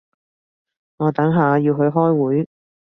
我等下要去開會